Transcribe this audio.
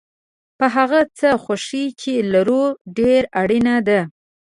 په هغه څه خوښي چې لرو ډېره اړینه ده.